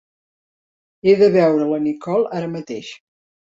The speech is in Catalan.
He de veure la Nicole ara mateix!